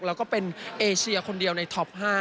แล้วก็เป็นเอเชียคนเดียวในท็อป๕